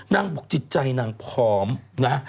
นางบุกจิตใจนางพร้อมนะ